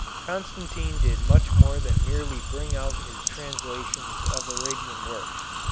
Constantine did much more than merely bring out his translations of Arabian works.